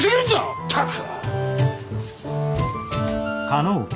ったく。